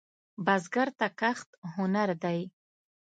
بزګر ته کښت هنر دی